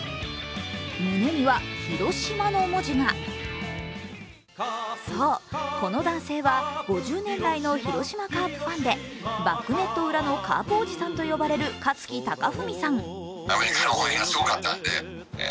胸には「Ｈｉｒｏｓｈｉｍａ」の文字がそう、この男性は５０年来の広島カープファンでバックネット裏のカープおじさんと呼ばれる香月孝史さん。